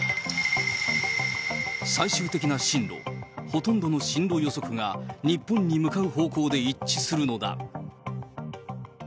最終的な進路、ほとんどの進路予測が日本に向かう方向で一致するのだ。